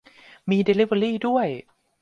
มีเดลิเวอรี่ด้วย